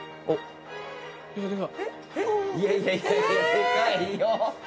いやいやいやいやでかいよ。